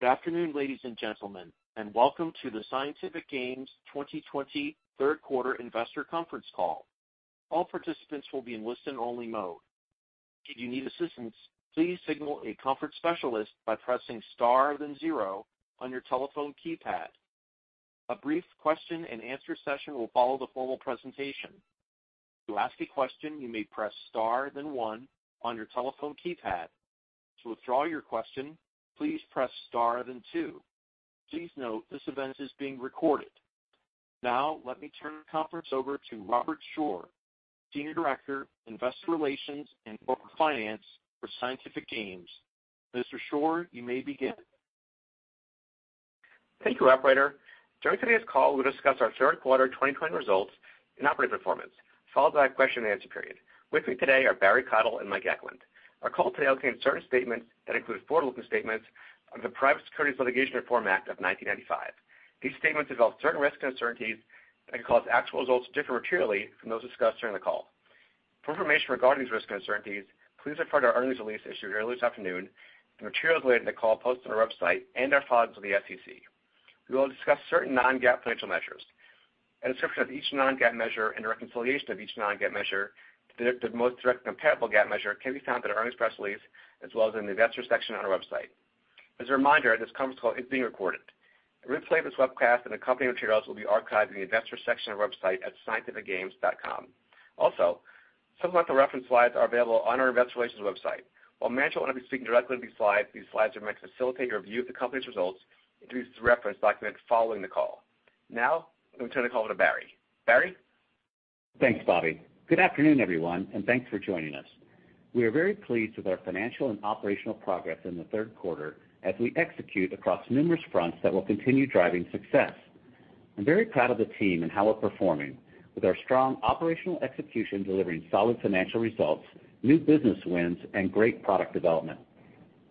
Good afternoon, ladies and gentlemen, and welcome to the Light & Wonder 2020 Third Quarter Investor Conference Call. All participants will be in listen-only mode. If you need assistance, please signal a conference specialist by pressing star, then zero on your telephone keypad. A brief question-and-answer session will follow the formal presentation. To ask a question, you may press star, then one on your telephone keypad. To withdraw your question, please press star, then two. Please note, this event is being recorded. Now, let me turn the conference over to Robert Shore, Senior Director, Investor Relations and Corporate Finance for Light & Wonder. Mr. Shore, you may begin. Thank you, operator. During today's call, we'll discuss our Third Quarter 2020 Results and Operating Performance, followed by a question-and-answer period. With me today are Barry Cottle and Mike Eklund. Our call today will contain certain statements that include forward-looking statements under the Private Securities Litigation Reform Act of 1995. These statements involve certain risks and uncertainties that could cause actual results to differ materially from those discussed during the call. For information regarding these risks and uncertainties, please refer to our earnings release issued earlier this afternoon, the materials related to the call posted on our website, and our filings with the SEC. We will discuss certain non-GAAP financial measures. A description of each non-GAAP measure and the reconciliation of each non-GAAP measure to the most direct comparable GAAP measure can be found in our earnings press release, as well as in the investor section on our website. As a reminder, this conference call is being recorded. A replay of this webcast and accompanying materials will be archived in the investor section of our website at lnw.com. Also, some of the reference slides are available on our investor relations website. While management will not be speaking directly to these slides, these slides are meant to facilitate your view of the company's results and to use as a reference document following the call. Now, I'm going to turn the call over to Barry. Barry? Thanks, Bobby. Good afternoon, everyone, and thanks for joining us. We are very pleased with our financial and operational progress in the third quarter as we execute across numerous fronts that will continue driving success. I'm very proud of the team and how we're performing, with our strong operational execution delivering solid financial results, new business wins, and great product development.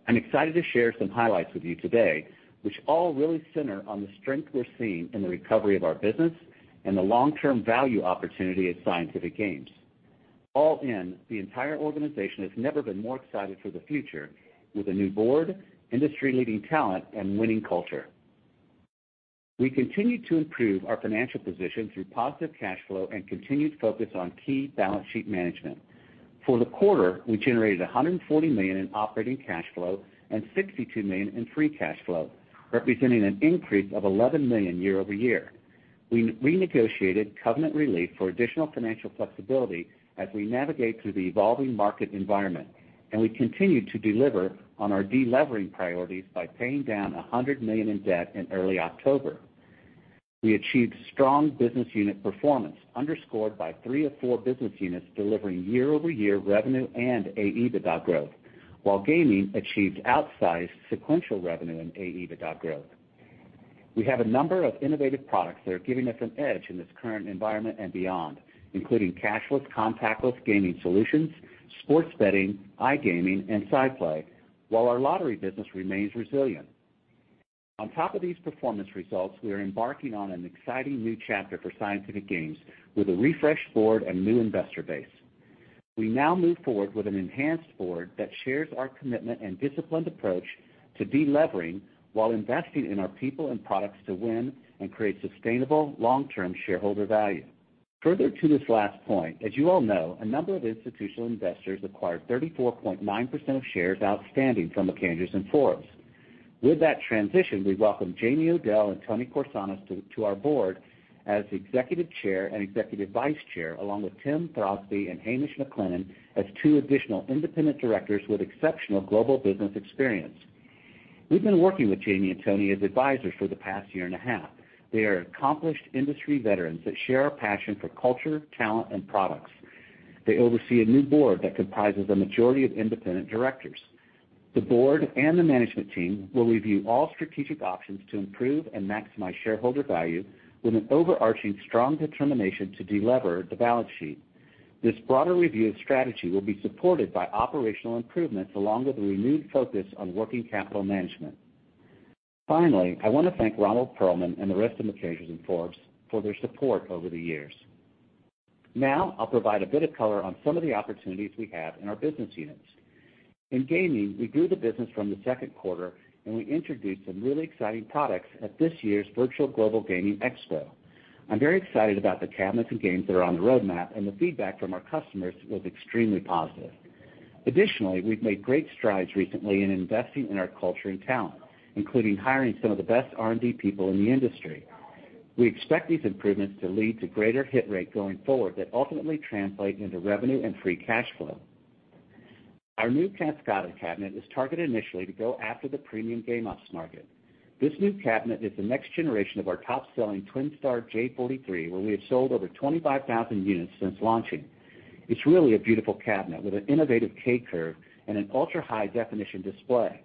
I'm excited to share some highlights with you today, which all really center on the strength we're seeing in the recovery of our business and the long-term value opportunity at Light & Wonder. All in, the entire organization has never been more excited for the future with a new board, industry-leading talent, and winning culture. We continue to improve our financial position through positive cash flow and continued focus on key balance sheet management. For the quarter, we generated $140 million in operating cash flow and $62 million in free cash flow, representing an increase of $11 million year over year. We renegotiated covenant relief for additional financial flexibility as we navigate through the evolving market environment, and we continued to deliver on our delevering priorities by paying down $100 million in debt in early October. We achieved strong business unit performance, underscored by three of four business units delivering year-over-year revenue and AEBITDA growth, while gaming achieved outsized sequential revenue and AEBITDA growth. We have a number of innovative products that are giving us an edge in this current environment and beyond, including cashless, contactless gaming solutions, sports betting, iGaming, and SciPlay, while our lottery business remains resilient. On top of these performance results, we are embarking on an exciting new chapter for Scientific Games with a refreshed board and new investor base. We now move forward with an enhanced board that shares our commitment and disciplined approach to delevering while investing in our people and products to win and create sustainable, long-term shareholder value. Further to this last point, as you all know, a number of institutional investors acquired 34.9% of shares outstanding from MacAndrews & Forbes. With that transition, we welcome Jamie Odell and Toni Korsanos to our board as the Executive Chair and Executive Vice Chair, along with Tim Throsby and Hamish McLennan as two additional independent directors with exceptional global business experience. We've been working with Jamie and Toni as advisors for the past year and a half. They are accomplished industry veterans that share our passion for culture, talent, and products. They oversee a new board that comprises a majority of independent directors. The board and the management team will review all strategic options to improve and maximize shareholder value with an overarching strong determination to delever the balance sheet. This broader review of strategy will be supported by operational improvements, along with a renewed focus on working capital management. Finally, I want to thank Ronald Perelman and the rest of MacAndrews & Forbes for their support over the years. Now, I'll provide a bit of color on some of the opportunities we have in our business units. In gaming, we grew the business from the second quarter, and we introduced some really exciting products at this year's Virtual Global Gaming Expo. I'm very excited about the cabinets and games that are on the roadmap, and the feedback from our customers was extremely positive. Additionally, we've made great strides recently in investing in our culture and talent, including hiring some of the best R&D people in the industry. We expect these improvements to lead to greater hit rate going forward that ultimately translate into revenue and free cash flow. Our new Kascada cabinet is targeted initially to go after the premium game ops market. This new cabinet is the next generation of our top-selling TwinStar J43, where we have sold over 25,000 units since launching. It's really a beautiful cabinet with an innovative K-Curve and an ultra-high-definition display.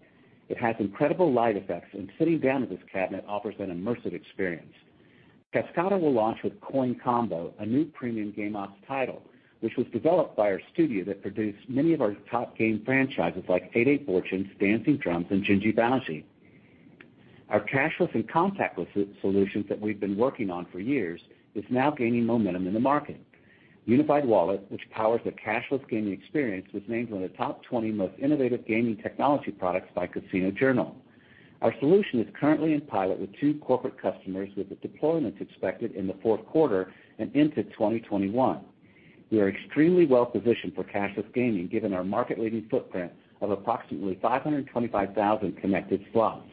It has incredible light effects, and sitting down at this cabinet offers an immersive experience. Kascada will launch with Coin Combo, a new premium game ops title, which was developed by our studio that produced many of our top game franchises, like 88 Fortunes, Dancing Drums, and Jin Ji Bao Xi. Our cashless and contactless solutions that we've been working on for years is now gaining momentum in the market. Unified Wallet, which powers the cashless gaming experience, was named one of the top 20 most innovative gaming technology products by Casino Journal. Our solution is currently in pilot with two corporate customers, with the deployments expected in the fourth quarter and into 2021. We are extremely well-positioned for cashless gaming, given our market-leading footprint of approximately 525,000 connected slots.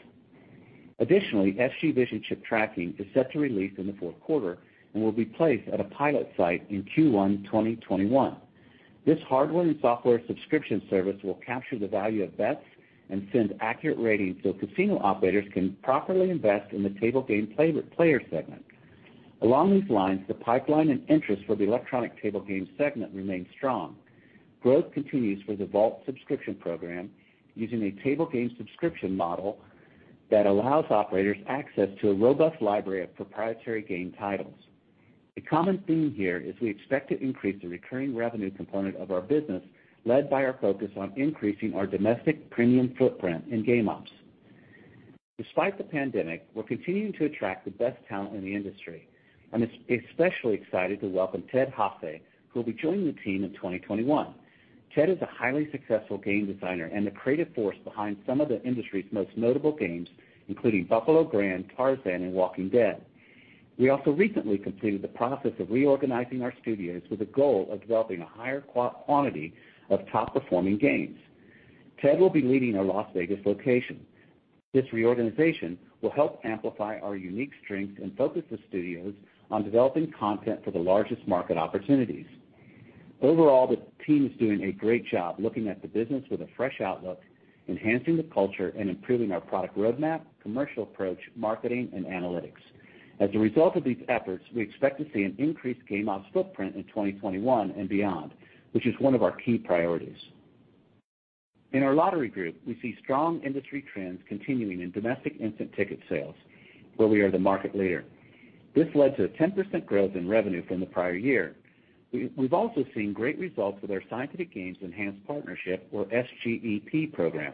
Additionally, SG Vision Chip Tracking is set to release in the fourth quarter and will be placed at a pilot site in Q1 2021. This hardware and software subscription service will capture the value of bets and send accurate ratings, so casino operators can properly invest in the table game player segment. Along these lines, the pipeline and interest for the electronic table games segment remains strong. Growth continues for the Vault Subscription program, using a table game subscription model that allows operators access to a robust library of proprietary game titles. A common theme here is we expect to increase the recurring revenue component of our business, led by our focus on increasing our domestic premium footprint in game ops. Despite the pandemic, we're continuing to attract the best talent in the industry. I'm especially excited to welcome Ted Hase, who will be joining the team in 2021. Ted is a highly successful game designer and the creative force behind some of the industry's most notable games, including Buffalo Grand, Tarzan, and Walking Dead. We also recently completed the process of reorganizing our studios with the goal of developing a higher quantity of top-performing games. Ted will be leading our Las Vegas location. This reorganization will help amplify our unique strengths and focus the studios on developing content for the largest market opportunities. Overall, the team is doing a great job looking at the business with a fresh outlook, enhancing the culture, and improving our product roadmap, commercial approach, marketing, and analytics. As a result of these efforts, we expect to see an increased game ops footprint in 2021 and beyond, which is one of our key priorities. In our lottery group, we see strong industry trends continuing in domestic instant ticket sales, where we are the market leader. This led to 10% growth in revenue from the prior year. We've also seen great results with our Scientific Games Enhanced Partnership, or SGEP, program.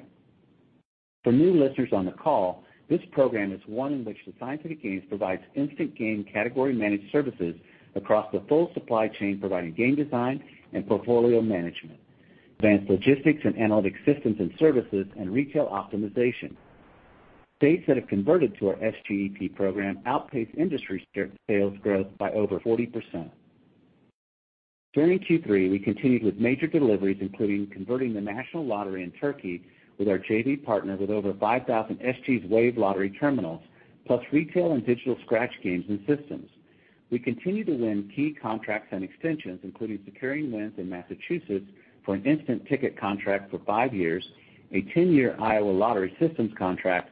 For new listeners on the call, this program is one in which Scientific Games provides instant game category managed services across the full supply chain, providing game design and portfolio management, advanced logistics and analytics systems and services, and retail optimization. States that have converted to our SGEP program outpaced industry sales growth by over 40%. During Q3, we continued with major deliveries, including converting the national lottery in Turkey with our JV partner, with over 5,000 SG's WAVE lottery terminals, plus retail and digital scratch games and systems. We continue to win key contracts and extensions, including securing wins in Massachusetts for an instant ticket contract for five years, a 10-year Iowa Lottery systems contract,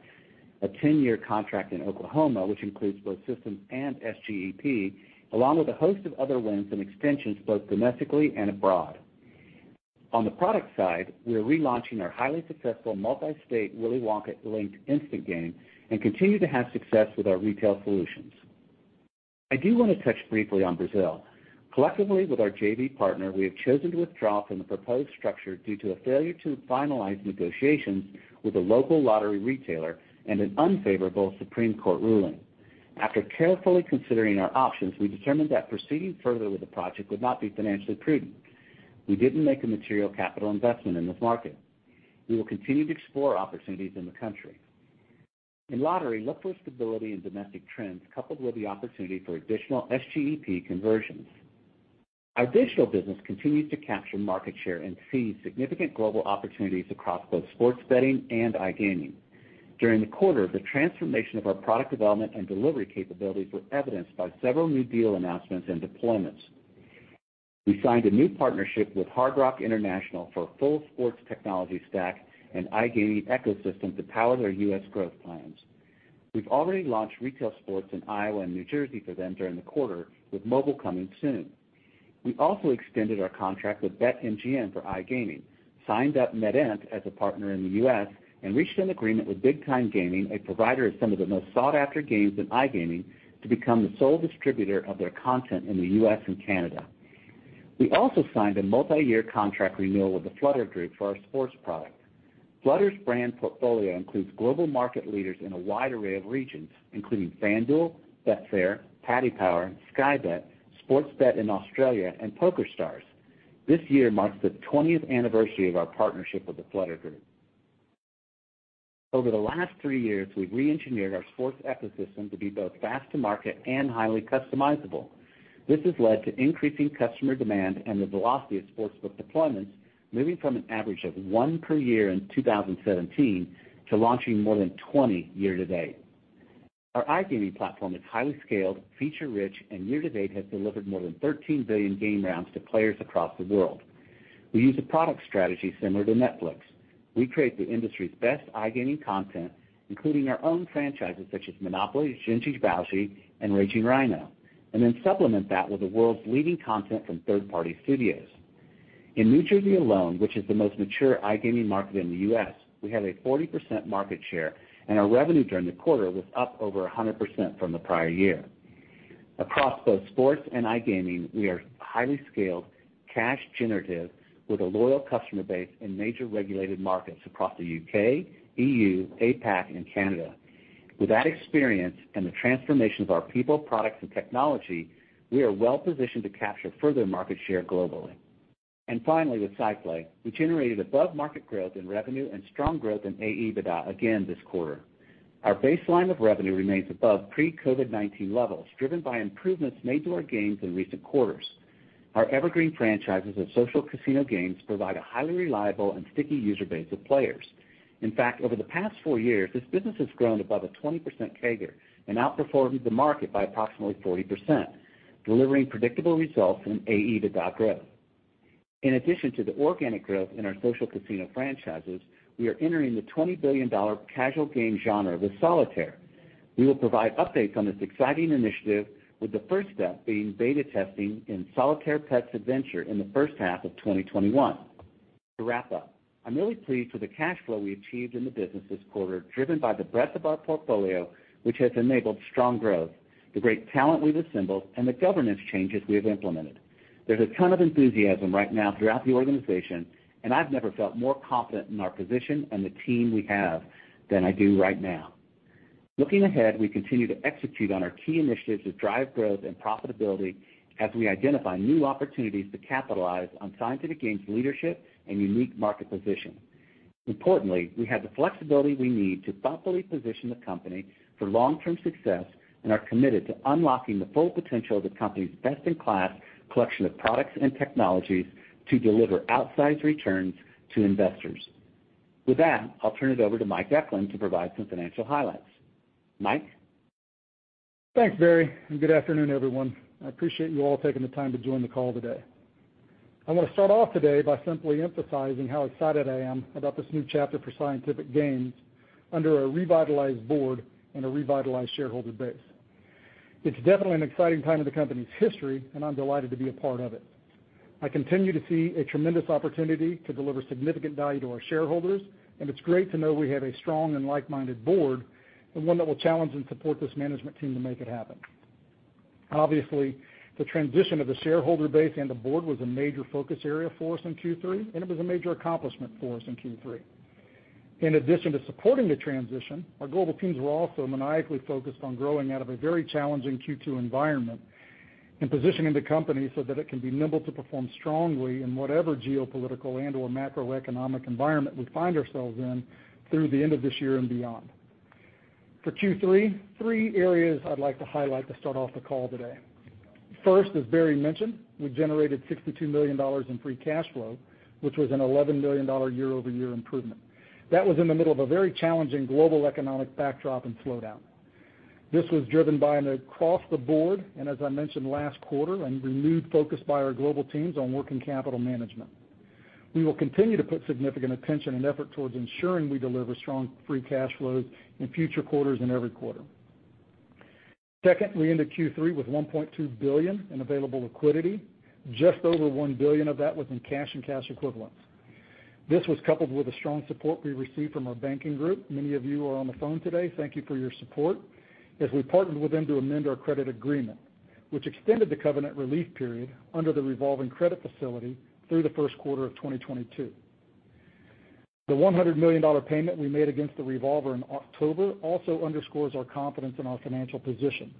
a 10-year contract in Oklahoma, which includes both systems and SGEP, along with a host of other wins and extensions, both domestically and abroad. On the product side, we are relaunching our highly successful multi-state Willy Wonka linked instant game and continue to have success with our retail solutions. I do want to touch briefly on Brazil. Collectively, with our JV partner, we have chosen to withdraw from the proposed structure due to a failure to finalize negotiations with a local lottery retailer and an unfavorable Supreme Court ruling. After carefully considering our options, we determined that proceeding further with the project would not be financially prudent. We didn't make a material capital investment in this market. We will continue to explore opportunities in the country. In lottery, look for stability in domestic trends, coupled with the opportunity for additional SGEP conversions. Our digital business continues to capture market share and sees significant global opportunities across both sports betting and iGaming. During the quarter, the transformation of our product development and delivery capabilities were evidenced by several new deal announcements and deployments. We signed a new partnership with Hard Rock International for a full sports technology stack and iGaming ecosystem to power their U.S. growth plans. We've already launched retail sports in Iowa and New Jersey for them during the quarter, with mobile coming soon. We also extended our contract with BetMGM for iGaming, signed up NetEnt as a partner in the U.S., and reached an agreement with Big Time Gaming, a provider of some of the most sought-after games in iGaming, to become the sole distributor of their content in the U.S. and Canada. We also signed a multiyear contract renewal with the Flutter Group for our sports product. Flutter's brand portfolio includes global market leaders in a wide array of regions, including FanDuel, Betfair, Paddy Power, Sky Bet, Sportsbet in Australia, and PokerStars. This year marks the twentieth anniversary of our partnership with the Flutter Group. Over the last three years, we've reengineered our sports ecosystem to be both fast to market and highly customizable. This has led to increasing customer demand and the velocity of sportsbook deployments, moving from an average of one per year in 2017 to launching more than 20 year-to-date. Our iGaming platform is highly scaled, feature-rich, and year-to-date has delivered more than 13 billion game rounds to players across the world. We use a product strategy similar to Netflix. We create the industry's best iGaming content, including our own franchises such as Monopoly, Jin Ji Bao Xi, and Raging Rhino, and then supplement that with the world's leading content from third-party studios. In New Jersey alone, which is the most mature iGaming market in the U.S., we have a 40% market share, and our revenue during the quarter was up over 100% from the prior year. Across both sports and iGaming, we are highly scaled, cash generative, with a loyal customer base in major regulated markets across the UK, EU, APAC, and Canada. With that experience and the transformations of our people, products, and technology, we are well-positioned to capture further market share globally. And finally, with SciPlay, we generated above-market growth in revenue and strong growth in AEBITDA again this quarter. Our baseline of revenue remains above pre-COVID-19 levels, driven by improvements made to our games in recent quarters. Our evergreen franchises of social casino games provide a highly reliable and sticky user base of players. In fact, over the past four years, this business has grown above a 20% CAGR and outperformed the market by approximately 40%, delivering predictable results in AEBITDA growth. In addition to the organic growth in our social casino franchises, we are entering the $20 billion casual game genre with Solitaire. We will provide updates on this exciting initiative, with the first step being beta testing in Solitaire Pets Adventure in the first half of 2021. To wrap up, I'm really pleased with the cash flow we achieved in the business this quarter, driven by the breadth of our portfolio, which has enabled strong growth, the great talent we've assembled, and the governance changes we have implemented. There's a ton of enthusiasm right now throughout the organization, and I've never felt more confident in our position and the team we have than I do right now. Looking ahead, we continue to execute on our key initiatives that drive growth and profitability as we identify new opportunities to capitalize on Light & Wonder's leadership and unique market position. Importantly, we have the flexibility we need to thoughtfully position the company for long-term success and are committed to unlocking the full potential of the company's best-in-class collection of products and technologies to deliver outsized returns to investors. With that, I'll turn it over to Mike Eklund to provide some financial highlights. Mike? Thanks, Barry, and good afternoon, everyone. I appreciate you all taking the time to join the call today. I want to start off today by simply emphasizing how excited I am about this new chapter for Light & Wonder under a revitalized board and a revitalized shareholder base. It's definitely an exciting time in the company's history, and I'm delighted to be a part of it. I continue to see a tremendous opportunity to deliver significant value to our shareholders, and it's great to know we have a strong and like-minded board, and one that will challenge and support this management team to make it happen. Obviously, the transition of the shareholder base and the board was a major focus area for us in Q3, and it was a major accomplishment for us in Q3. In addition to supporting the transition, our global teams were also maniacally focused on growing out of a very challenging Q2 environment and positioning the company so that it can be nimble to perform strongly in whatever geopolitical and/or macroeconomic environment we find ourselves in through the end of this year and beyond. For Q3, three areas I'd like to highlight to start off the call today. First, as Barry mentioned, we generated $62 million in free cash flow, which was an $11 million year-over-year improvement. That was in the middle of a very challenging global economic backdrop and slowdown. This was driven by an across-the-board, and as I mentioned last quarter, a renewed focus by our global teams on working capital management. We will continue to put significant attention and effort towards ensuring we deliver strong free cash flows in future quarters and every quarter. Second, we ended Q3 with $1.2 billion in available liquidity. Just over $1 billion of that was in cash and cash equivalents. This was coupled with the strong support we received from our banking group. Many of you are on the phone today. Thank you for your support, as we partnered with them to amend our credit agreement, which extended the covenant relief period under the revolving credit facility through the first quarter of 2022. The $100 million payment we made against the revolver in October also underscores our confidence in our financial position.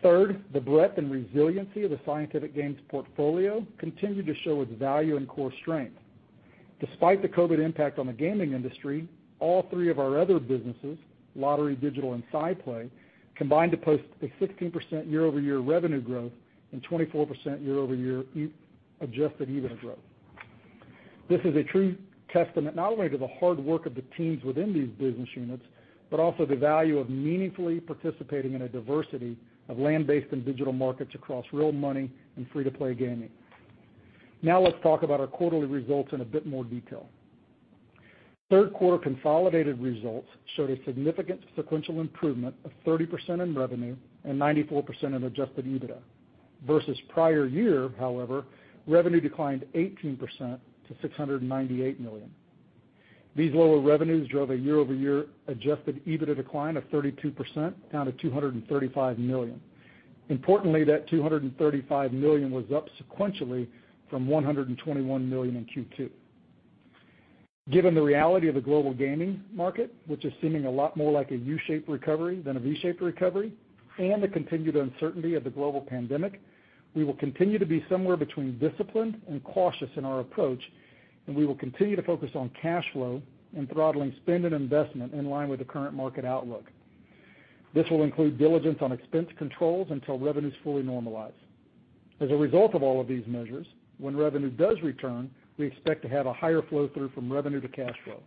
Third, the breadth and resiliency of the Scientific Games portfolio continued to show its value and core strength. Despite the COVID impact on the gaming industry, all three of our other businesses, lottery, digital, and SciPlay, combined to post a 16% year-over-year revenue growth and 24% year-over-year Adjusted EBITDA growth. This is a true testament not only to the hard work of the teams within these business units, but also the value of meaningfully participating in a diversity of land-based and digital markets across real money and free-to-play gaming. Now let's talk about our quarterly results in a bit more detail. Third quarter consolidated results showed a significant sequential improvement of 30% in revenue and 94% in Adjusted EBITDA. Versus prior year, however, revenue declined 18% to $698 million. These lower revenues drove a year-over-year Adjusted EBITDA decline of 32%, down to $235 million. Importantly, that $235 million was up sequentially from $121 million in Q2. Given the reality of the global gaming market, which is seeming a lot more like a U-shaped recovery than a V-shaped recovery, and the continued uncertainty of the global pandemic, we will continue to be somewhere between disciplined and cautious in our approach, and we will continue to focus on cash flow and throttling spend and investment in line with the current market outlook. This will include diligence on expense controls until revenues fully normalize. As a result of all of these measures, when revenue does return, we expect to have a higher flow-through from revenue to cash flow.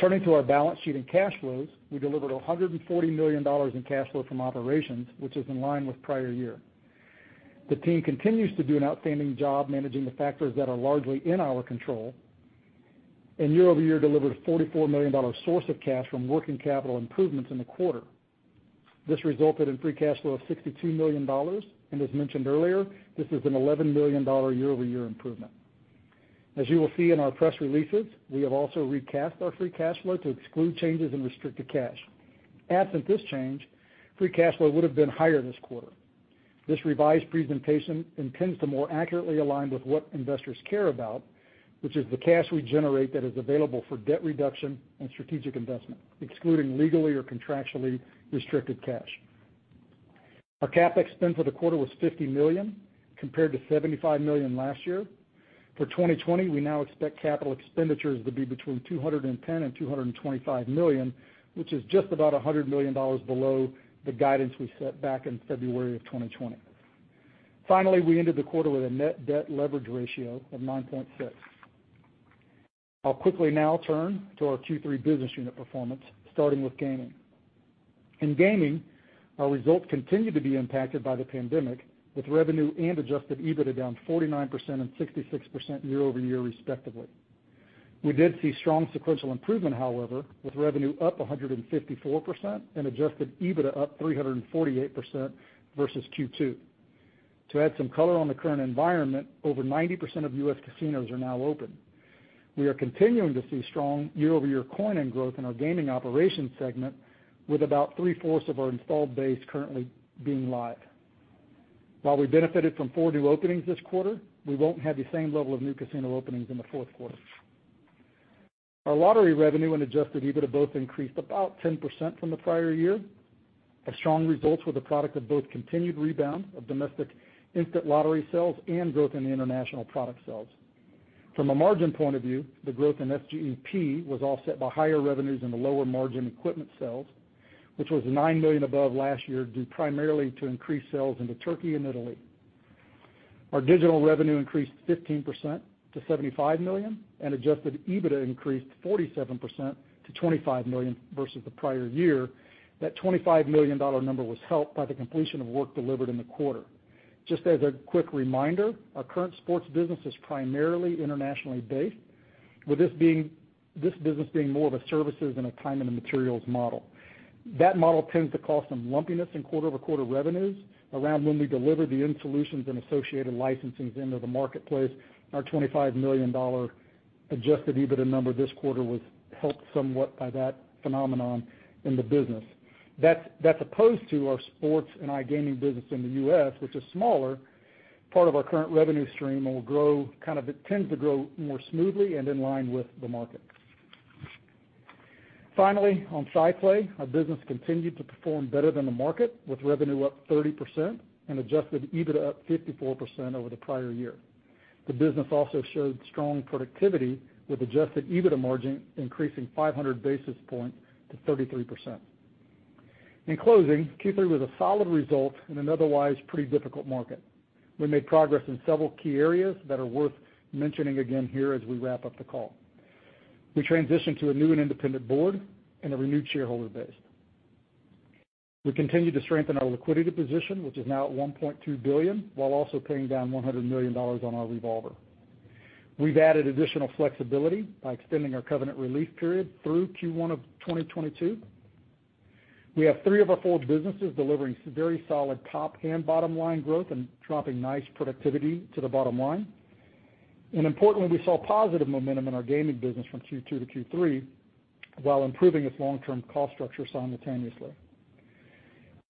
Turning to our balance sheet and cash flows, we delivered $140 million in cash flow from operations, which is in line with prior year. The team continues to do an outstanding job managing the factors that are largely in our control, and year over year, delivered $44 million source of cash from working capital improvements in the quarter. This resulted in free cash flow of $62 million, and as mentioned earlier, this is an $11 million year-over-year improvement. As you will see in our press releases, we have also recast our free cash flow to exclude changes in restricted cash. Absent this change, free cash flow would have been higher this quarter. This revised presentation intends to more accurately align with what investors care about, which is the cash we generate that is available for debt reduction and strategic investment, excluding legally or contractually restricted cash. Our CapEx spend for the quarter was $50 million, compared to $75 million last year. For 2020, we now expect capital expenditures to be between $210 million and $225 million, which is just about $100 million below the guidance we set back in February of 2020. Finally, we ended the quarter with a net debt leverage ratio of 9.6. I'll quickly now turn to our Q3 business unit performance, starting with gaming. In gaming, our results continued to be impacted by the pandemic, with revenue and Adjusted EBITDA down 49% and 66% year over year, respectively. We did see strong sequential improvement, however, with revenue up 154% and Adjusted EBITDA up 348% versus Q2. To add some color on the current environment, over 90% of U.S. casinos are now open. We are continuing to see strong year-over-year coin-in growth in our gaming operations segment, with about three-fourths of our installed base currently being live. While we benefited from four new openings this quarter, we won't have the same level of new casino openings in the fourth quarter. Our lottery revenue and Adjusted EBITDA both increased about 10% from the prior year. Our strong results were the product of both continued rebound of domestic instant lottery sales and growth in the international product sales. From a margin point of view, the growth in SGEP was offset by higher revenues and a lower margin equipment sales, which was $9 million above last year, due primarily to increased sales into Turkey and Italy. Our digital revenue increased 15% to $75 million, and Adjusted EBITDA increased 47% to $25 million versus the prior year. That $25 million number was helped by the completion of work delivered in the quarter. Just as a quick reminder, our current sports business is primarily internationally based, with this being, this business being more of a services and a time and a materials model. That model tends to cause some lumpiness in quarter over quarter revenues around when we deliver the end solutions and associated licensings into the marketplace. Our $25 million Adjusted EBITDA number this quarter was helped somewhat by that phenomenon in the business. That's opposed to our sports and iGaming business in the U.S., which is smaller, part of our current revenue stream and will grow, kind of it tends to grow more smoothly and in line with the market. Finally, on SciPlay, our business continued to perform better than the market, with revenue up 30% and Adjusted EBITDA up 54% over the prior year. The business also showed strong productivity, with Adjusted EBITDA margin increasing 500 basis points to 33%. In closing, Q3 was a solid result in an otherwise pretty difficult market. We made progress in several key areas that are worth mentioning again here as we wrap up the call. We transitioned to a new and independent board and a renewed shareholder base. We continued to strengthen our liquidity position, which is now at $1.2 billion, while also paying down $100 million on our revolver. We've added additional flexibility by extending our covenant relief period through Q1 of 2022. We have three of our four businesses delivering very solid top and bottom line growth and dropping nice productivity to the bottom line. And importantly, we saw positive momentum in our gaming business from Q2 to Q3, while improving its long-term cost structure simultaneously.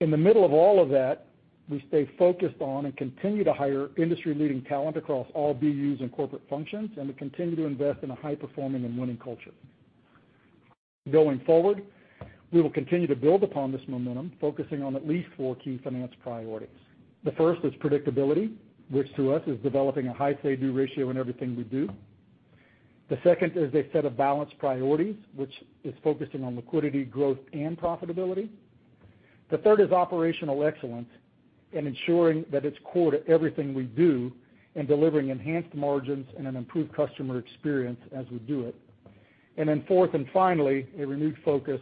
In the middle of all of that, we stay focused on and continue to hire industry-leading talent across all BUs and corporate functions, and we continue to invest in a high-performing and winning culture. Going forward, we will continue to build upon this momentum, focusing on at least four key finance priorities. The first is predictability, which to us is developing a high say-do ratio in everything we do. The second is a set of balanced priorities, which is focusing on liquidity, growth, and profitability. The third is operational excellence and ensuring that it's core to everything we do and delivering enhanced margins and an improved customer experience as we do it, and then fourth and finally, a renewed focus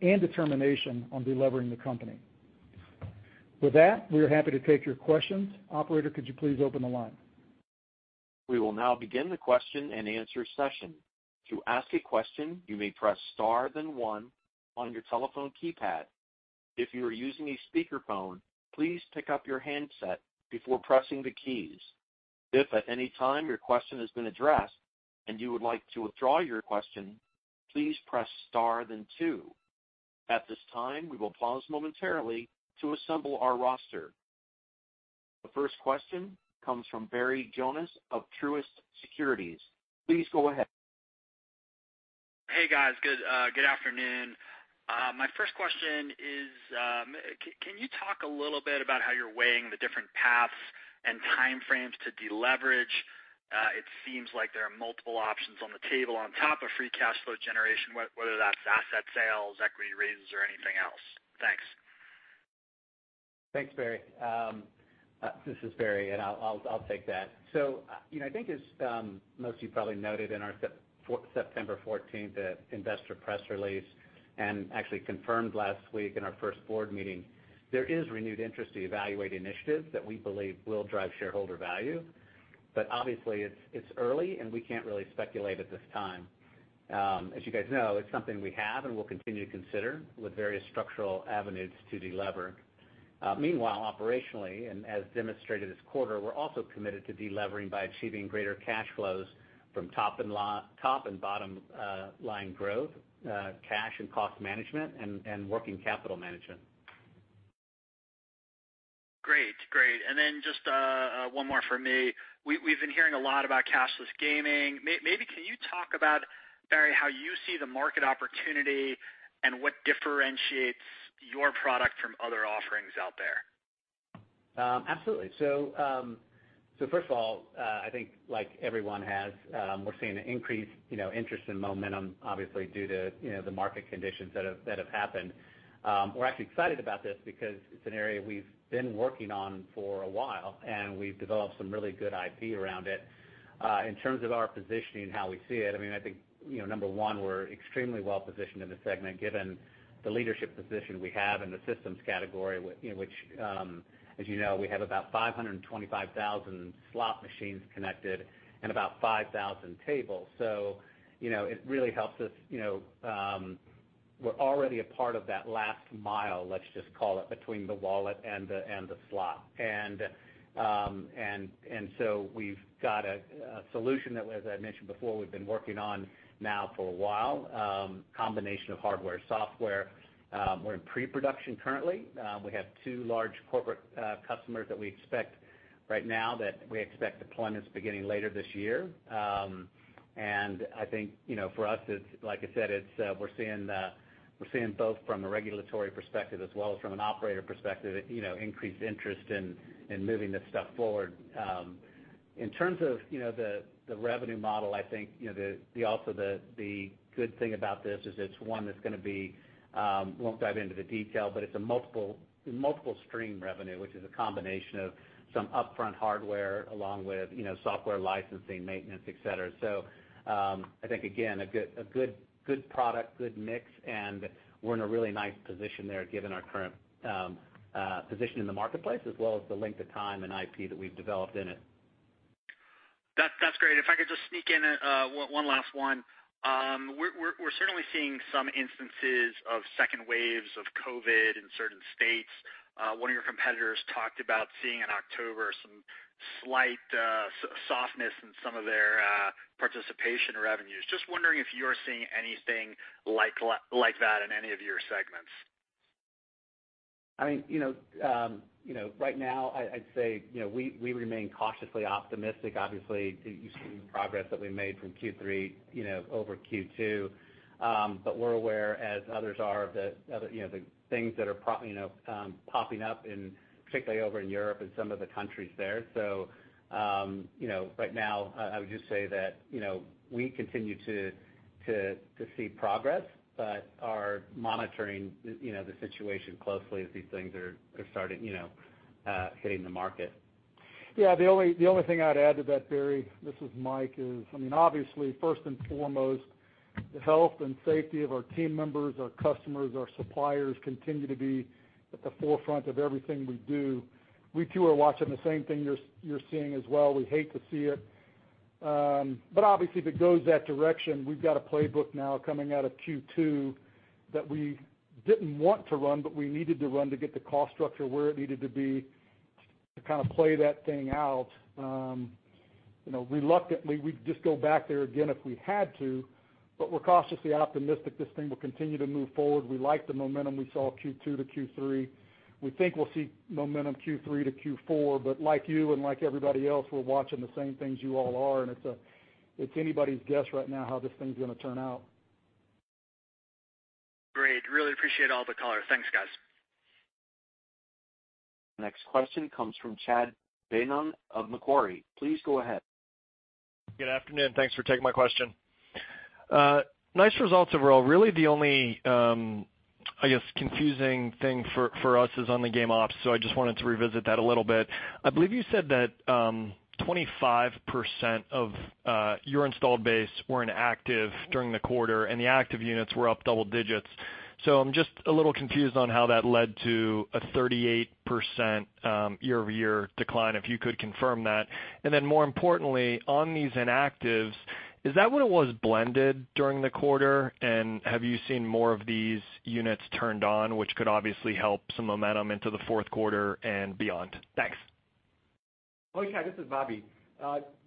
and determination on delevering the company. With that, we are happy to take your questions. Operator, could you please open the line? We will now begin the question-and-answer session. To ask a question, you may press star, then one on your telephone keypad. If you are using a speakerphone, please pick up your handset before pressing the keys. If at any time your question has been addressed and you would like to withdraw your question, please press star then two. At this time, we will pause momentarily to assemble our roster. The first question comes from Barry Jonas of Truist Securities. Please go ahead. Hey, guys, good afternoon. My first question is, can you talk a little bit about how you're weighing the different paths and time frames to deleverage? It seems like there are multiple options on the table on top of free cash flow generation, whether that's asset sales, equity raises, or anything else. Thanks. Thanks, Barry. This is Barry, and I'll take that. So, you know, I think as most of you probably noted in our September 14th investor press release, and actually confirmed last week in our first board meeting, there is renewed interest to evaluate initiatives that we believe will drive shareholder value. But obviously, it's early, and we can't really speculate at this time. As you guys know, it's something we have and will continue to consider with various structural avenues to delever. Meanwhile, operationally, and as demonstrated this quarter, we're also committed to delevering by achieving greater cash flows from top and bottom line growth, cash and cost management, and working capital management. .Great. And then just one more for me. We've been hearing a lot about cashless gaming. Maybe can you talk about, Barry, how you see the market opportunity and what differentiates your product from other offerings out there? Absolutely. So, first of all, I think like everyone has, we're seeing an increased, you know, interest in momentum, obviously, due to, you know, the market conditions that have happened. We're actually excited about this because it's an area we've been working on for a while, and we've developed some really good IP around it. In terms of our positioning, how we see it, I mean, I think, you know, number one, we're extremely well positioned in the segment, given the leadership position we have in the systems category, you know, which, as you know, we have about 525,000 slot machines connected and about 5,000 tables. So, you know, it really helps us, you know, we're already a part of that last mile, let's just call it, between the wallet and the slot. So we've got a solution that, as I mentioned before, we've been working on now for a while, combination of hardware, software. We're in pre-production currently. We have two large corporate customers that we expect deployments beginning later this year. I think, you know, for us, it's like I said, we're seeing both from a regulatory perspective as well as from an operator perspective, you know, increased interest in moving this stuff forward. In terms of, you know, the revenue model, I think, you know, the good thing about this is it's one that's gonna be, won't dive into the detail, but it's a multiple stream revenue, which is a combination of some upfront hardware along with, you know, software licensing, maintenance, et cetera. So, I think, again, a good product, good mix, and we're in a really nice position there, given our current position in the marketplace, as well as the length of time and IP that we've developed in it. That's great. If I could just sneak in one last one. We're certainly seeing some instances of second waves of COVID in certain states. One of your competitors talked about seeing in October some slight softness in some of their participation revenues. Just wondering if you're seeing anything like that in any of your segments. I mean, you know, right now, I'd say, you know, we remain cautiously optimistic. Obviously, you've seen the progress that we made from Q3, you know, over Q2. But we're aware, as others are, of the other, you know, the things that are popping up in, particularly over in Europe and some of the countries there. So, you know, right now, I would just say that, you know, we continue to see progress, but are monitoring the, you know, the situation closely as these things are starting, you know, hitting the market. Yeah, the only thing I'd add to that, Barry, this is Mike, is, I mean, obviously, first and foremost, the health and safety of our team members, our customers, our suppliers, continue to be at the forefront of everything we do. We, too, are watching the same thing you're seeing as well. We hate to see it. But obviously, if it goes that direction, we've got a playbook now coming out of Q2, that we didn't want to run, but we needed to run to get the cost structure where it needed to be to kind of play that thing out. You know, reluctantly, we'd just go back there again if we had to, but we're cautiously optimistic this thing will continue to move forward. We like the momentum we saw Q2 to Q3. We think we'll see momentum Q3 to Q4, but like you and like everybody else, we're watching the same things you all are, and it's, it's anybody's guess right now how this thing's gonna turn out. Great. Really appreciate all the color. Thanks, guys. Next question comes from Chad Beynon of Macquarie. Please go ahead. Good afternoon. Thanks for taking my question. Nice results overall. Really, the only, I guess, confusing thing for us is on the game ops, so I just wanted to revisit that a little bit. I believe you said that 25% of your installed base were inactive during the quarter, and the active units were up double digits. So I'm just a little confused on how that led to a 38% year-over-year decline, if you could confirm that. And then more importantly, on these inactives, is that what it was blended during the quarter? And have you seen more of these units turned on, which could obviously help some momentum into the fourth quarter and beyond? Thanks. Oh, Chad, this is Bobby.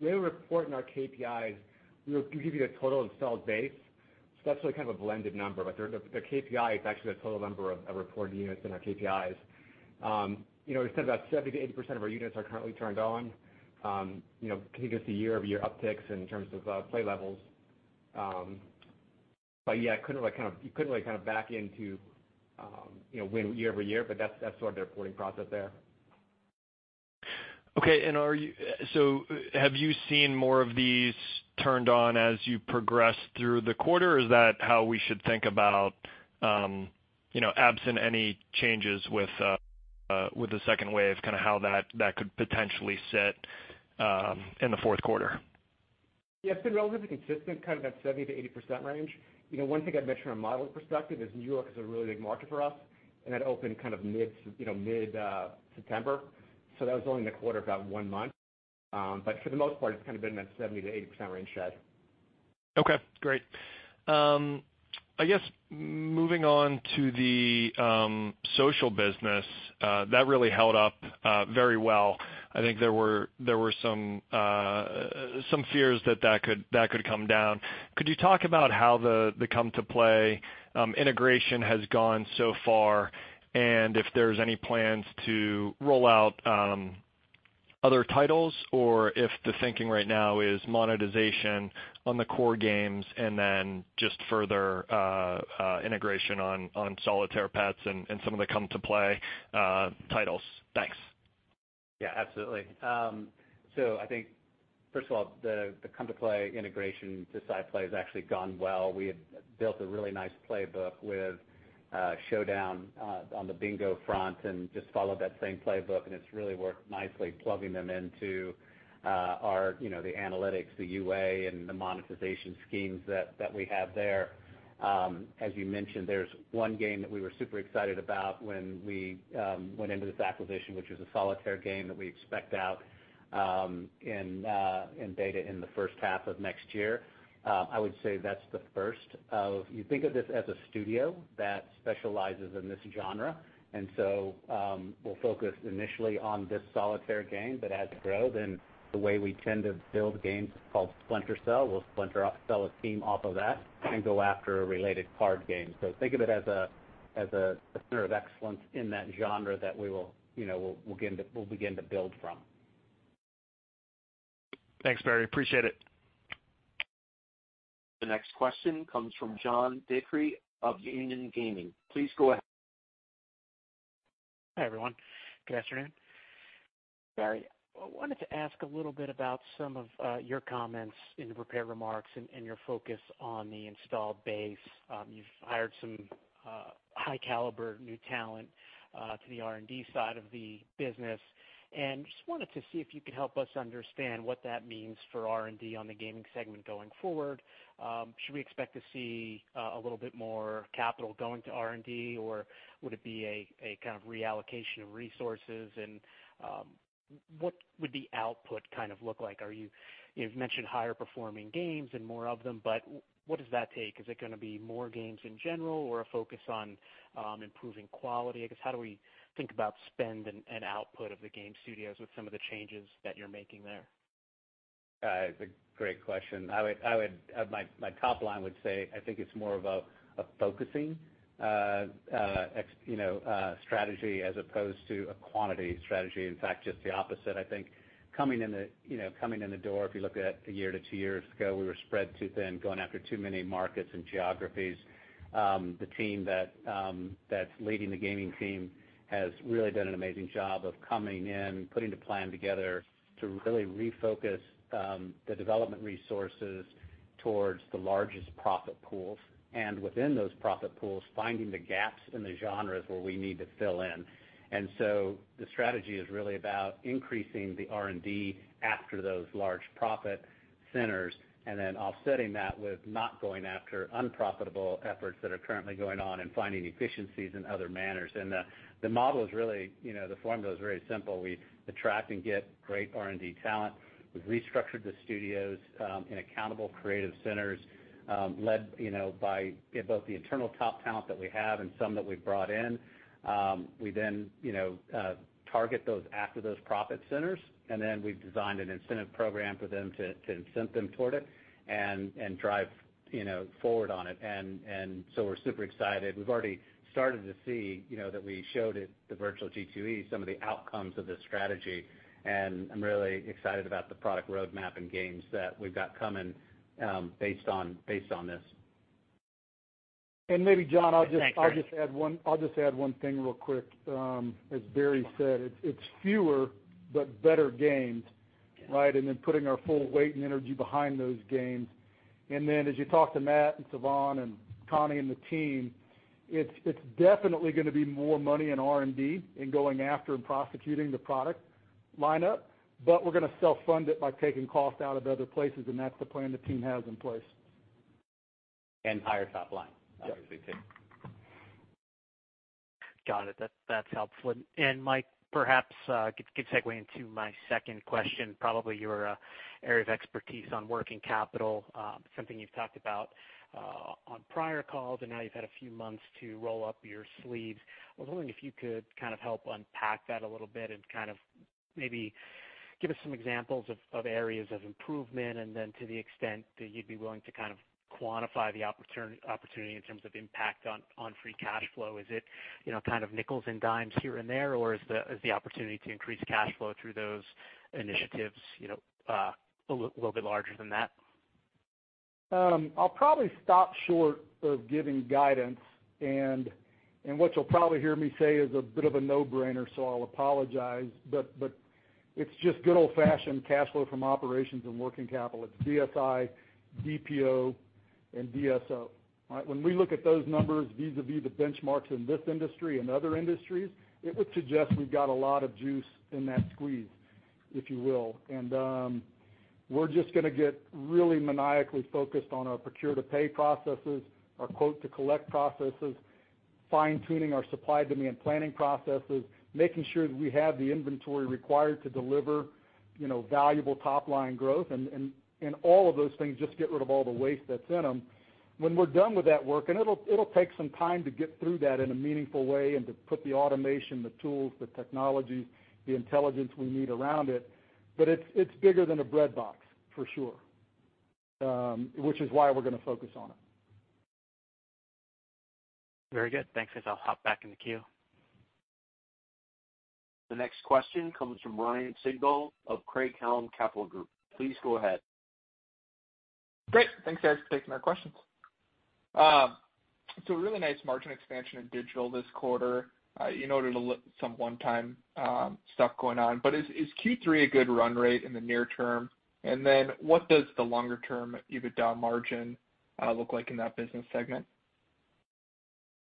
We report in our KPIs, we'll give you the total installed base. So that's really kind of a blended number, but the KPI is actually the total number of reported units in our KPIs. You know, we said about 70%-80% of our units are currently turned on. You know, continuous year-over-year upticks in terms of play levels. But yeah, I couldn't, like, kind of you couldn't really kind of back into you know win year-over-year, but that's that's sort of the reporting process there. Okay, so have you seen more of these turned on as you progress through the quarter, or is that how we should think about, you know, absent any changes with, with the second wave, kind of how that, that could potentially sit, in the fourth quarter? Yeah, it's been relatively consistent, kind of that 70%-80% range. You know, one thing I'd mention from a model perspective is New York is a really big market for us, and that opened kind of mid-September. So that was only in the quarter, about one month. But for the most part, it's kind of been in that 70%-80% range, Chad. Okay, great. I guess moving on to the social business that really held up very well. I think there were some fears that could come down. Could you talk about how the Come2Play integration has gone so far? And if there's any plans to roll out other titles? Or if the thinking right now is monetization on the core games and then just further integration on Solitaire Pets and some of the Come2Play titles. Thanks. Yeah, absolutely. So I think, first of all, the Come2Play integration to SciPlay has actually gone well. We have built a really nice playbook with Showdown on the bingo front and just followed that same playbook, and it's really worked nicely plugging them into our, you know, the analytics, the UA, and the monetization schemes that we have there. As you mentioned, there's one game that we were super excited about when we went into this acquisition, which was a solitaire game that we expect out in beta in the first half of next year. I would say that's the first of- you think of this as a studio that specializes in this genre. We'll focus initially on this solitaire game that has growth, and the way we tend to build games is called splinter-cell. We'll splinter off, spin a team off of that and go after a related card game. Think of it as a center of excellence in that genre that we will, you know, begin to build from. Thanks, Barry. Appreciate it. The next question comes from John DeCree of Union Gaming. Please go ahead. Hi, everyone. Good afternoon. Barry, I wanted to ask a little bit about some of your comments in the prepared remarks and your focus on the installed base. You've hired some high caliber new talent to the R&D side of the business, and just wanted to see if you could help us understand what that means for R&D on the gaming segment going forward. Should we expect to see a little bit more capital going to R&D, or would it be a kind of reallocation of resources? And what would the output kind of look like? You've mentioned higher performing games and more of them, but what does that take? Is it gonna be more games in general or a focus on improving quality? I guess, how do we think about spend and, and output of the game studios with some of the changes that you're making there? It's a great question. I would. My top line would say, I think it's more of a focusing, you know, strategy as opposed to a quantity strategy. In fact, just the opposite. I think coming in the, you know, coming in the door, if you look at a year to two years ago, we were spread too thin, going after too many markets and geographies. The team that's leading the gaming team has really done an amazing job of coming in, putting the plan together to really refocus the development resources towards the largest profit pools, and within those profit pools, finding the gaps in the genres where we need to fill in. The strategy is really about increasing the R&D after those large profit centers, and then offsetting that with not going after unprofitable efforts that are currently going on and finding efficiencies in other manners. The model is really, you know, the formula is very simple. We attract and get great R&D talent. We've restructured the studios in accountable creative centers, led, you know, by both the internal top talent that we have and some that we've brought in. We then, you know, target those after those profit centers, and then we've designed an incentive program for them to incent them toward it and drive, you know, forward on it. So we're super excited. We've already started to see, you know, that we showed at the Virtual G2E some of the outcomes of this strategy, and I'm really excited about the product roadmap and games that we've got coming, based on this. Maybe, John, I'll just- Thanks, Mike. I'll just add one thing real quick. As Barry said, it's fewer, but better games, right? And then putting our full weight and energy behind those games. And then as you talk to Matt and Siobhan and Connie and the team, it's definitely gonna be more money in R&D in going after and prosecuting the product lineup, but we're gonna self-fund it by taking cost out of other places, and that's the plan the team has in place. And higher top line- Yes Obviously, too. Got it. That, that's helpful. And Mike, perhaps, good segue into my second question, probably your area of expertise on working capital. Something you've talked about on prior calls, and now you've had a few months to roll up your sleeves. I was wondering if you could kind of help unpack that a little bit and kind of maybe give us some examples of areas of improvement, and then to the extent that you'd be willing to kind of quantify the opportunity in terms of impact on free cash flow. Is it, you know, kind of nickels and dimes here and there, or is the opportunity to increase cash flow through those initiatives, you know, a little bit larger than that? I'll probably stop short of giving guidance, and what you'll probably hear me say is a bit of a no-brainer, so I'll apologize, but it's just good old-fashioned cash flow from operations and working capital. It's DSI, DPO, and DSO. All right? When we look at those numbers vis-à-vis the benchmarks in this industry and other industries, it would suggest we've got a lot of juice in that squeeze, if you will. And we're just gonna get really maniacally focused on our procure-to-pay processes, our quote-to-collect processes, fine-tuning our supply demand planning processes, making sure that we have the inventory required to deliver, you know, valuable top-line growth. And all of those things just get rid of all the waste that's in them. When we're done with that work, and it'll take some time to get through that in a meaningful way and to put the automation, the tools, the technology, the intelligence we need around it, but it's bigger than a breadbox, for sure, which is why we're gonna focus on it. Very good. Thanks, guys. I'll hop back in the queue. The next question comes from Ryan Sigdahl of Craig-Hallum Capital Group. Please go ahead. Great. Thanks, guys, for taking our questions. So a really nice margin expansion in digital this quarter. You noted some one-time stuff going on, but is Q3 a good run rate in the near term? And then what does the longer-term EBITDA margin look like in that business segment?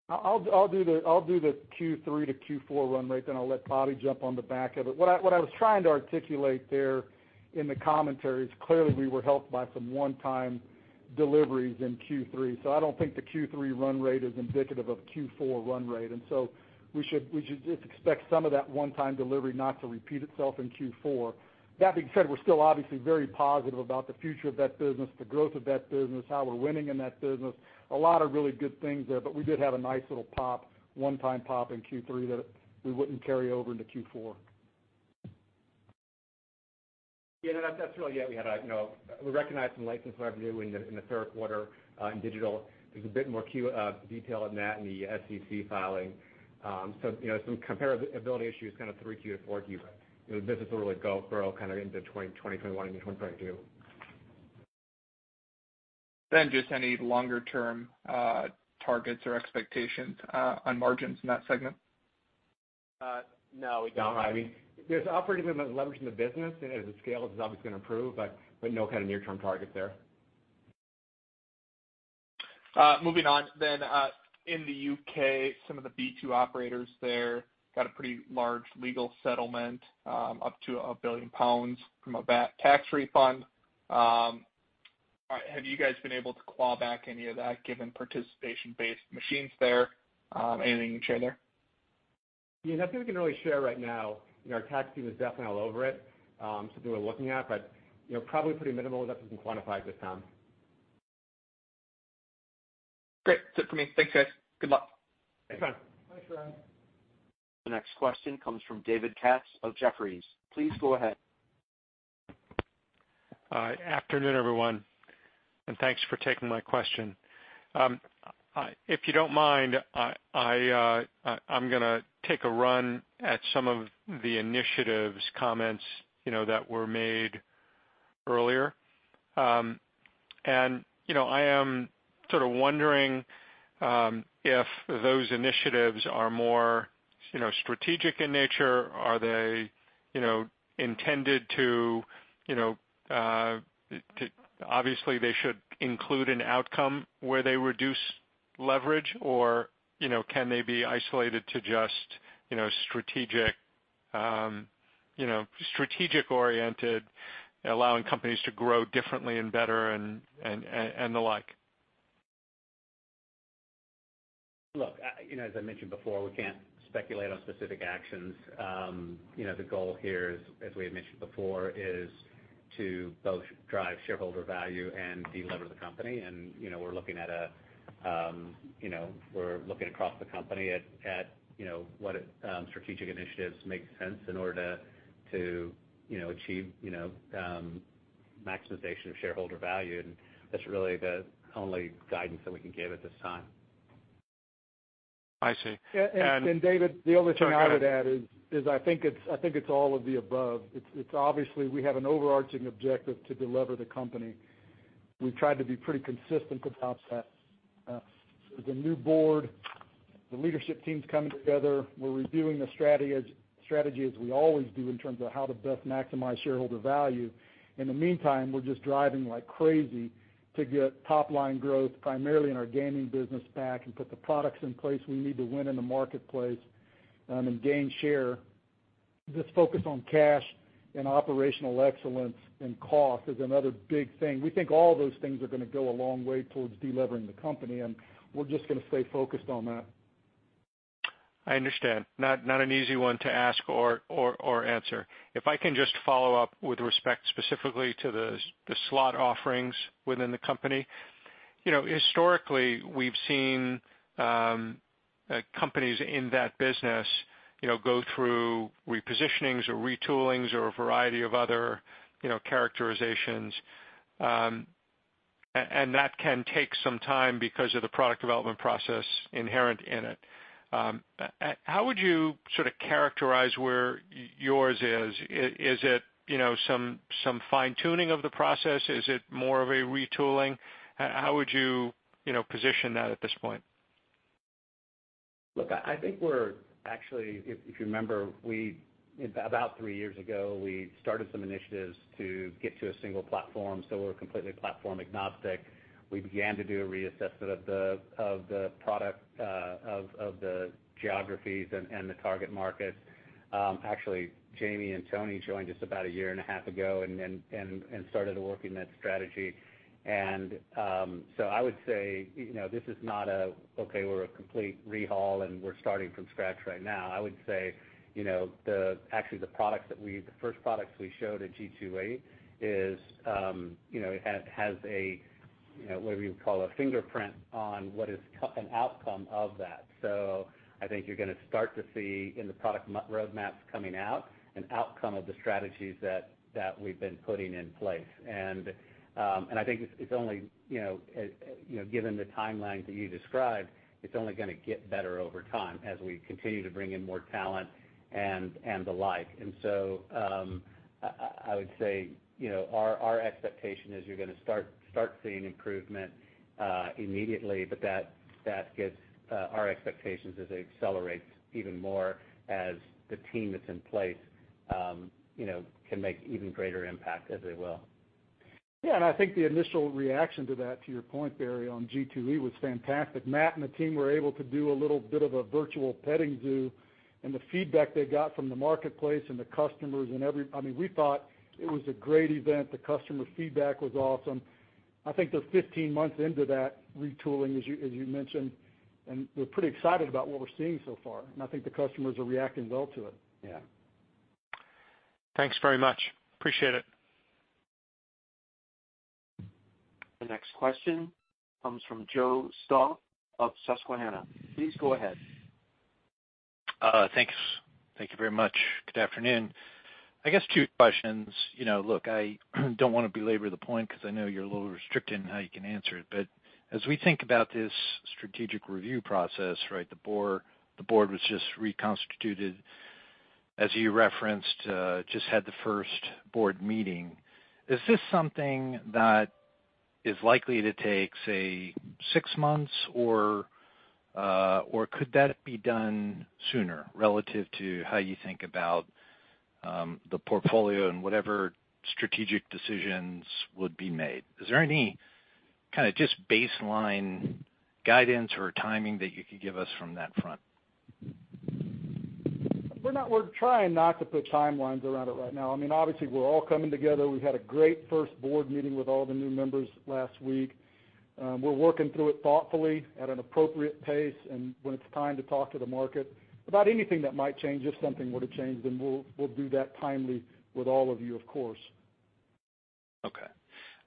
I'll do the Q3 to Q4 run rate, then I'll let Bobby jump on the back of it. What I was trying to articulate there in the commentary is clearly we were helped by some one-time deliveries in Q3, so I don't think the Q3 run rate is indicative of Q4 run rate. And so we should just expect some of that one-time delivery not to repeat itself in Q4. That being said, we're still obviously very positive about the future of that business, the growth of that business, how we're winning in that business. A lot of really good things there, but we did have a nice little pop, one-time pop in Q3 that we wouldn't carry over into Q4. Yeah, that's really it. We had, you know, we recognized some license revenue in the third quarter in digital. There's a bit more detail on that in the SEC filing. So, you know, some comparability issues, kind of Q3 to 4Q. But, you know, this is really gonna grow kind of into 2021 and 2022. Then just any longer-term targets or expectations on margins in that segment? No, we don't. I mean, there's operating leverage in the business, and as it scales, it's obviously going to improve, but no kind of near-term target there. Moving on then, in the U.K., some of the B2 operators there got a pretty large legal settlement, up to 1 billion pounds from a back tax refund. Have you guys been able to claw back any of that, given participation-based machines there? Anything you can share there? Yeah, nothing we can really share right now. You know, our tax team is definitely all over it. Something we're looking at, but, you know, probably pretty minimal that we can quantify at this time. Great. That's it for me. Thanks, guys. Good luck. Thanks, Ryan. Thanks, Ryan. The next question comes from David Katz of Jefferies. Please go ahead. Afternoon, everyone, and thanks for taking my question. If you don't mind, I'm gonna take a run at some of the initiatives, comments, you know, that were made earlier. You know, I am sort of wondering if those initiatives are more, you know, strategic in nature. Are they, you know, intended to, you know, obviously, they should include an outcome where they reduce leverage or, you know, can they be isolated to just, you know, strategic, you know, strategic-oriented, allowing companies to grow differently and better and the like? Look, you know, as I mentioned before, we can't speculate on specific actions. You know, the goal here is, as we had mentioned before, is to both drive shareholder value and delever the company. You know, we're looking at a, you know, we're looking across the company at, at, you know, what, strategic initiatives make sense in order to, to, you know, achieve, you know, maximization of shareholder value, and that's really the only guidance that we can give at this time. I see. Yeah, and David, the only thing I would add is I think it's all of the above. It's obviously we have an overarching objective to delever the company. We've tried to be pretty consistent about that. There's a new board, the leadership team's coming together. We're reviewing the strategy as we always do in terms of how to best maximize shareholder value. In the meantime, we're just driving like crazy to get top-line growth, primarily in our gaming business, back and put the products in place we need to win in the marketplace, and gain share. This focus on cash and operational excellence and cost is another big thing. We think all those things are going to go a long way towards delevering the company, and we're just going to stay focused on that. I understand. Not, not an easy one to ask or answer. If I can just follow up with respect specifically to the slot offerings within the company. You know, historically, we've seen companies in that business, you know, go through repositionings or retoolings or a variety of other, you know, characterizations. And that can take some time because of the product development process inherent in it. How would you sort of characterize where yours is? Is it, you know, some fine-tuning of the process? Is it more of a retooling? How would you, you know, position that at this point? Look, I think we're actually, if you remember, we. About three years ago, we started some initiatives to get to a single platform, so we're completely platform-agnostic. We began to do a reassessment of the product, of the geographies and the target markets. Actually, Jamie and Toni joined us about a year and a half ago and started working that strategy. And, so I would say, you know, this is not, okay, we're a complete overhaul, and we're starting from scratch right now. I would say, you know, the. Actually the products that we. The first products we showed at G2E is, you know, it has a, you know, whatever you call a fingerprint on what is called an outcome of that. So I think you're gonna start to see in the product roadmaps coming out, an outcome of the strategies that we've been putting in place. And I think it's only, you know, you know, given the timeline that you described, it's only gonna get better over time as we continue to bring in more talent and the like. And so, I would say, you know, our expectation is you're gonna start seeing improvement immediately, but that gets our expectations as they accelerate even more as the team that's in place, you know, can make even greater impact as they will. Yeah, and I think the initial reaction to that, to your point, Barry, on G2E, was fantastic. Matt and the team were able to do a little bit of a virtual petting zoo, and the feedback they got from the marketplace and the customers, I mean, we thought it was a great event. The customer feedback was awesome. I think they're 15 months into that retooling, as you mentioned, and we're pretty excited about what we're seeing so far, and I think the customers are reacting well to it. Yeah. Thanks very much. Appreciate it. The next question comes from Joseph Stauff of Susquehanna. Please go ahead. Thanks. Thank you very much. Good afternoon. I guess two questions. You know, look, I don't want to belabor the point because I know you're a little restricted in how you can answer it, but as we think about this strategic review process, right, the board was just reconstituted, as you referenced, just had the first board meeting. Is this something that is likely to take, say, six months, or, or could that be done sooner, relative to how you think about the portfolio and whatever strategic decisions would be made? Is there any kind of just baseline guidance or timing that you could give us from that front? We're not. We're trying not to put timelines around it right now. I mean, obviously, we're all coming together. We had a great first board meeting with all the new members last week. We're working through it thoughtfully at an appropriate pace, and when it's time to talk to the market about anything that might change, if something were to change, then we'll do that timely with all of you, of course. Okay.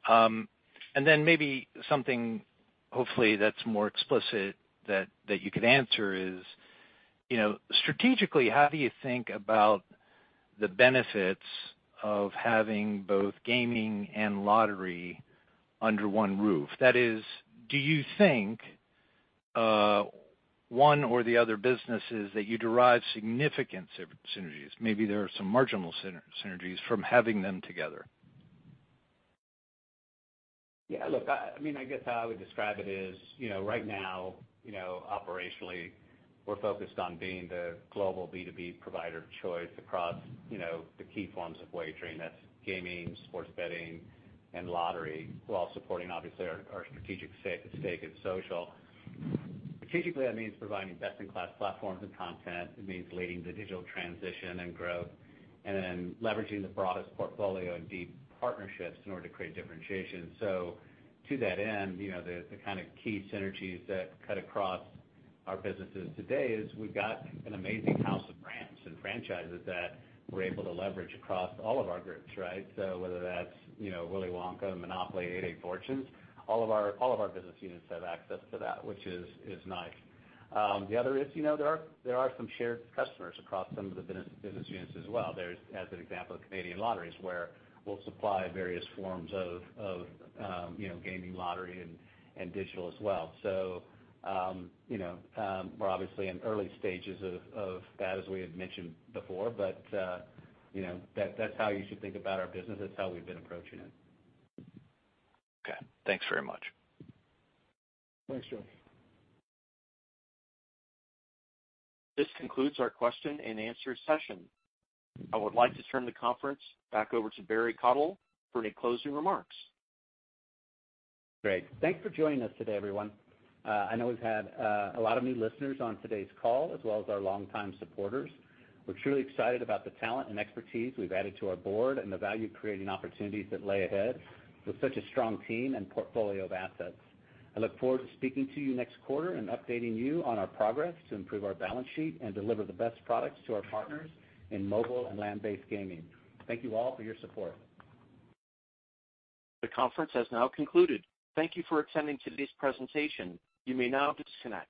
And then maybe something, hopefully, that's more explicit that you could answer is, you know, strategically, how do you think about the benefits of having both gaming and lottery under one roof? That is, do you think one or the other businesses that you derive significant synergies? Maybe there are some marginal synergies from having them together. Yeah, look, I mean, I guess how I would describe it is, you know, right now, you know, operationally, we're focused on being the global B2B provider of choice across, you know, the key forms of wagering. That's gaming, sports betting, and lottery, while supporting, obviously, our strategic stake at social. Strategically, that means providing best-in-class platforms and content. It means leading the digital transition and growth, and then leveraging the broadest portfolio and deep partnerships in order to create differentiation. So to that end, you know, the kind of key synergies that cut across our businesses today is we've got an amazing house of brands and franchises that we're able to leverage across all of our groups, right? So whether that's, you know, Willy Wonka, Monopoly, 88 Fortunes, all of our business units have access to that, which is nice. The other is, you know, there are some shared customers across some of the business units as well. There's, as an example of Canadian lotteries, where we'll supply various forms of gaming, lottery, and digital as well. We're obviously in early stages of that, as we had mentioned before, but that, that's how you should think about our business. That's how we've been approaching it. Okay. Thanks very much. Thanks, Joe. This concludes our question-and-answer session. I would like to turn the conference back over to Barry Cottle for any closing remarks. Great. Thanks for joining us today, everyone. I know we've had a lot of new listeners on today's call, as well as our longtime supporters. We're truly excited about the talent and expertise we've added to our board, and the value-creating opportunities that lay ahead with such a strong team and portfolio of assets. I look forward to speaking to you next quarter and updating you on our progress to improve our balance sheet and deliver the best products to our partners in mobile and land-based gaming. Thank you all for your support. The conference has now concluded. Thank you for attending today's presentation. You may now disconnect.